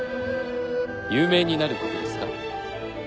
有名になることですか？